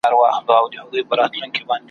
ويل پلاره ما ټول كال زحمت ايستلى `